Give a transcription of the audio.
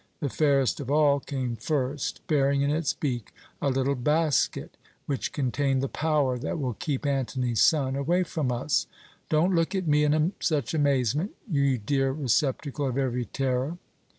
The fairest of all came first, bearing in its beak a little basket which contained the power that will keep Antony's son away from us. Don't look at me in such amazement, you dear receptacle of every terror."